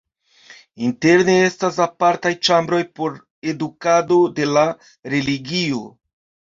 Interne estas apartaj ĉambroj por edukado de la religio.